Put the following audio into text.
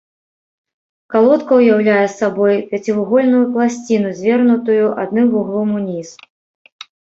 Калодка ўяўляе сабой пяцівугольную пласціну, звернутую адным вуглом уніз.